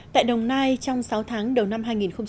tại đồng nai trong sáu tháng đầu năm hai nghìn một mươi tám